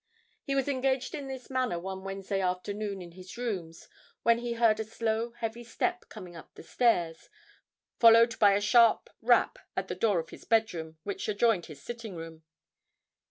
He was engaged in this manner one Wednesday afternoon in his rooms, when he heard a slow heavy step coming up the stairs, followed by a sharp rap at the door of his bedroom, which adjoined his sitting room.